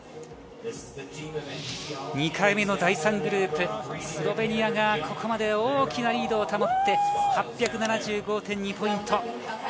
２回目の第３グループ、スロベニアがここまで大きなリードを保って８７５．２ポイント。